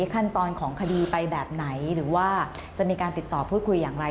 ขั้นตอนของคดีไปแบบไหนหรือว่าจะมีการติดต่อพูดคุยอย่างไร